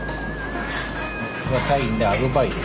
僕が社員でアルバイト。